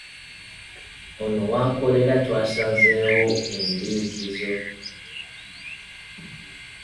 Ono w’akolera twasanzeewo endiikizo.